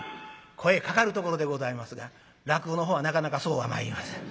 声かかるところでございますが落語のほうはなかなかそうはまいりません。